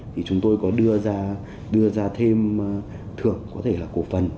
thì chúng tôi có đưa ra thêm thưởng có thể là cổ phần